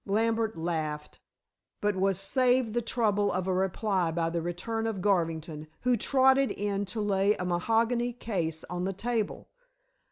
Lambert laughed, but was saved the trouble of a reply by the return of Garvington, who trotted in to lay a mahogany case on the table.